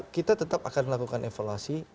kita tetap akan melakukan evaluasi